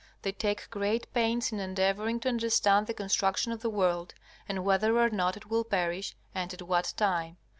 They take great pains in endeavoring to understand the construction of the world, and whether or not it will perish, and at what time.